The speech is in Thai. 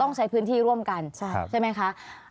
ต้องใช้พื้นที่ร่วมกันใช่ค่ะใช่ไหมคะ